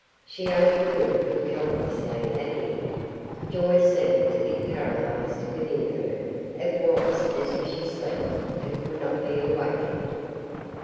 She only could look helplessly at him. Joy seemed to be paralyzed within her; it was as if she slept and could not be awakened.